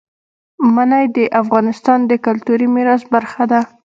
منی د افغانستان د کلتوري میراث برخه ده.